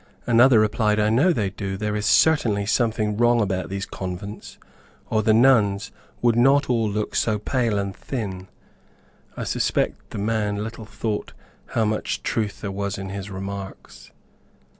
Another replied, "I know they do; there is certainly something wrong about these convents, or the nuns would not all look so pale and thin." I suspect the man little thought how much truth there was in his remarks.